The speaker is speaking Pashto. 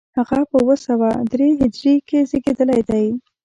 هغه په اوه سوه درې هجري کې زېږېدلی دی.